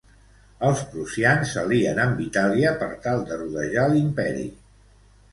Els prussians s'alien amb Itàlia per tal de rodejar l'imperi.